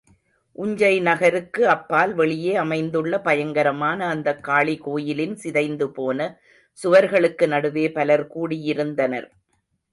உஞ்சை நகருக்கு அப்பால் வெளியே அமைந்துள்ள பயங்கரமான அந்தக் காளிகோயிலின் சிதைந்துபோன சுவர்களுக்கு நடுவே பலர் கூடியிருந்தனர்.